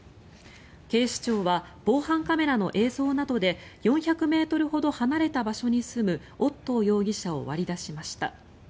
警視庁は防犯カメラの映像などで４００ｍほど離れた場所に住むオットー容疑者を割り出しました。